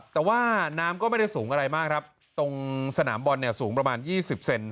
แต่ว่าน้ำก็ไม่ได้สูงอะไรมากครับตรงสนามบอลเนี่ยสูงประมาณยี่สิบเซน